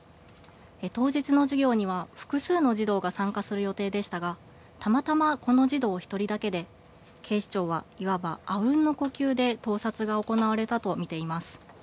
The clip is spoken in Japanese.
当日の授業には複数の児童が参加する予定でしたがたまたまこの児童１人だけで警視庁はいわばあうんの呼吸で盗撮が行われたと見ています。